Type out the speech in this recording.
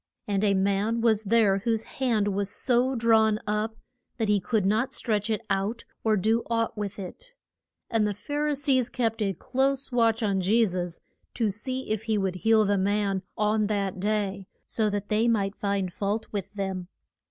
And a man was there whose hand was so drawn up that he could not stretch it out or do aught with it. And the Phar i sees kept a close watch on Je sus to see if he would heal the man on that day, so that they might find fault with them.